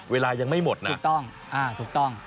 เวลายังไม่หมดนะถูกต้อง